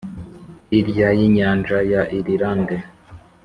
hirya y'inyanja ya irilande,